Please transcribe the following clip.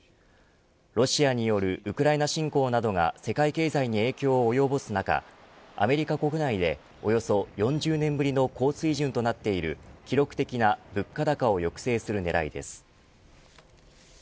ロシアによるウクライナ侵攻などが世界経済に影響を及ぼす中アメリカ国内でおよそ４０年ぶりの高水準となっている記録的な物価高を抑制する狙いです。